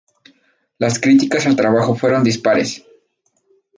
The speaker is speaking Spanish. Las críticas al trabajo fueron dispares.